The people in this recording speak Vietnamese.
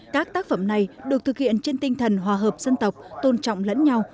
các tác phẩm này được thực hiện trên tinh thần hòa hợp dân tộc tôn trọng lẫn nhau